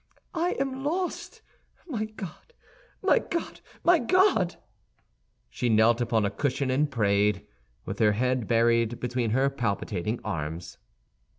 I am lost! My God, my God, my God!" She knelt upon a cushion and prayed, with her head buried between her palpitating arms.